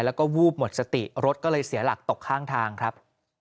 แล้วก็วูบหมดสติรถก็เลยเสียหลักตกข้างทางครับ